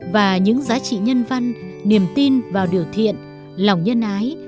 và những giá trị nhân văn niềm tin vào điều thiện lòng nhân ái